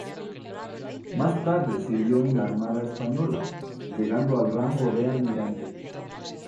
Más tarde sirvió en la Armada española, llegando al rango de almirante.